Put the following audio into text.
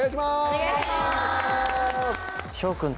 お願いします！